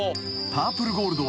パープルゴールド。